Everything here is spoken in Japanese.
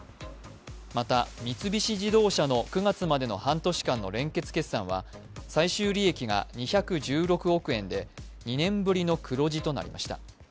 また、三菱自動車の９月までの半年間の連結決算は最終利益が２１６億円で、２年ぶりの黒字となりました。